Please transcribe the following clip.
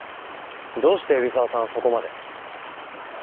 どうして海老沢さんはそこまで？